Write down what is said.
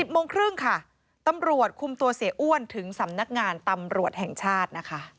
โมงครึ่งค่ะตำรวจคุมตัวเสียอ้วนถึงสำนักงานตำรวจแห่งชาตินะคะ